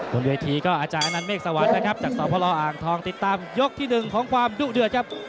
บนเวทีก็อาจารย์อนันเมฆสวรรค์นะครับจากสพลอ่างทองติดตามยกที่๑ของความดุเดือดครับ